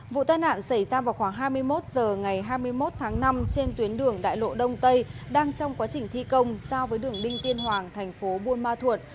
vụ tai nạn xảy ra vào khoảng hai mươi một h ngày hai mươi một tháng năm trên tuyến đường đại lộ đông tây đang trong quá trình thi công giao với đường đinh tiên hoàng thành phố buôn ma thuột